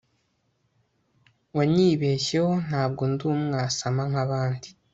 wanyibeshyeho ntabwo ndi umwasama nkabandi